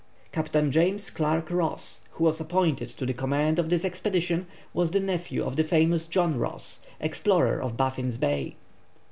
Captain James Clark Ross, who was appointed to the command of this expedition, was the nephew of the famous John Ross, explorer of Baffin's Bay.